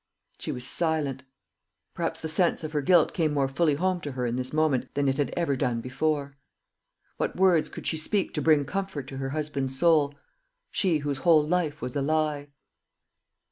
She was silent. Perhaps the sense of her guilt came more fully home to her in this moment than it had ever done before. What words could she speak to bring comfort to her husband's soul she whose whole life was a lie?